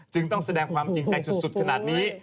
ต้องแสดงความจริงใจสุดขนาดนี้